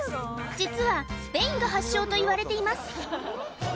実はスペインが発祥といわれています